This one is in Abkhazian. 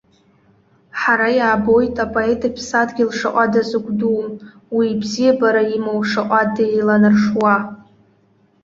Ҳара, иаабоит апоет иԥсадгьыл шаҟа дазыгәдуу, уи абзиабара имоу шаҟа деиланаршуа.